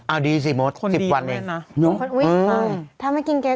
เอ้าดีสิมฮต๑๐วันคนดีทางเดียวนะ